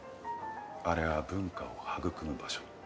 あれは文化を育む場所。